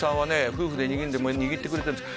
夫婦で握るんで握ってくれてるんです